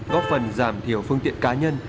góp phần giảm thiểu phương tiện cá nhân